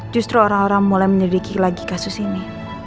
justru orang orang mulai menyelidiki lagi kasus ini